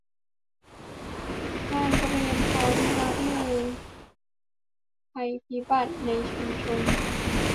และการเตรียมพร้อมรับมือภัยพิบัติในชุมชน